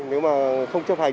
nếu mà không chấp hành